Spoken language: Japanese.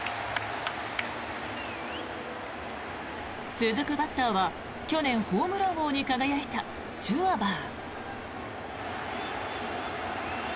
続くバッターは去年ホームラン王に輝いたシュワバー。